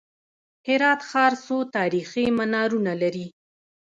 هرات ښار څو تاریخي منارونه لري؟